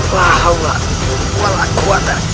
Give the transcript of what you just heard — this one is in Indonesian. wah allah allah kuat